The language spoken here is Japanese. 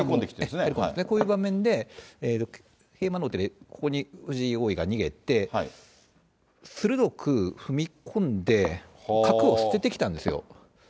こういう場面で、桂馬の王手で逃げて、鋭く踏み込んで、角を捨ててきたんですよ。